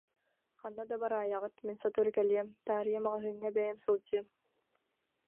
Ханна да бараайаҕыт, мин сотору кэлиэм, таарыйа маҕаһыыҥҥа бэйэм сылдьыам